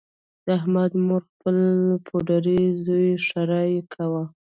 د احمد مور خپل پوډري زوی ښیرأ کاوه.